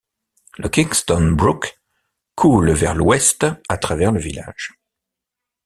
Le Kingston Brook coule vers l'ouest à travers le village.